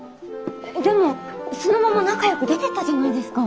でもそのまま仲よく出て行ったじゃないですか。